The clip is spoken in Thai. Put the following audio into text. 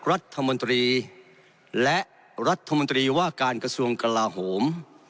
รัฐมนตรีและรัฐมนตรีว่าการกระทรวงกลาโหม